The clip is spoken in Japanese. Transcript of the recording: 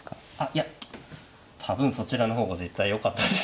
いや多分そちらの方が絶対よかったです。